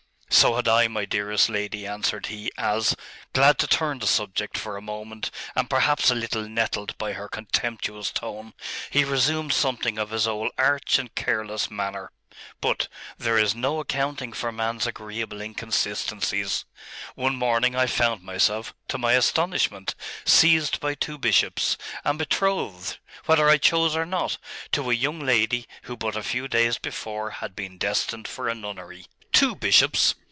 'So had I, my dearest lady,' answered he, as, glad to turn the subject for a moment, and perhaps a little nettled by her contemptuous tone, he resumed something of his old arch and careless manner. 'But there is no accounting for man's agreeable inconsistencies one morning I found myself, to my astonishment, seized by two bishops, and betrothed, whether I chose or not, to a young lady who but a few days before had been destined for a nunnery.' 'Two bishops?